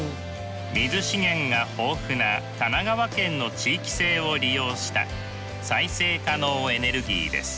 水資源が豊富な神奈川県の地域性を利用した再生可能エネルギーです。